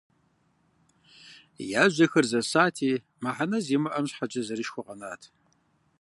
Я жьэхэр зэсати, мыхьэнэ зимыӏэм щхьэкӏэ зэрышхыу къэнат.